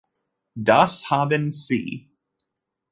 Das haben Sie.